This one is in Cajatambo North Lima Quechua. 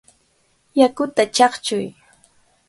¡Yakuta chaqchuy!